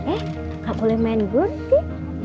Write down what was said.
eh gak boleh main gunting